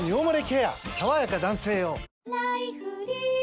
さわやか男性用」